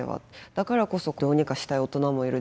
だからこそどうにかしたい大人もいる。